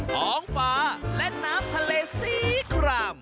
ท้องฟ้าและน้ำทะเลสีคราม